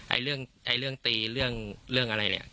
เรื่องไอ้เรื่องตีเรื่องเรื่องอะไรเนี่ย